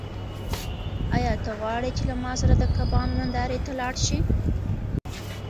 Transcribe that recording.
آیا ته غواړې چې له ما سره د کبانو نندارې ته لاړ شې؟